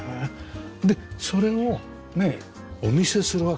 でそれをねえお見せするわけでしょ？